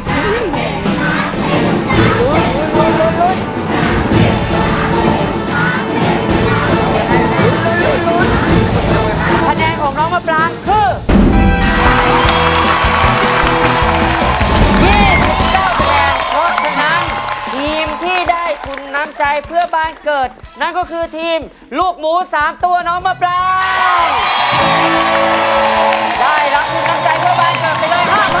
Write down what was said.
ได้รับทุนน้ำใจเพื่อบ้านเกิดไปเลย๕๐๐๐บาท